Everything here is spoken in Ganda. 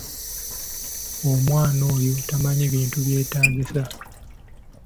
Omwana ono tamanyi bintu byetaagisa.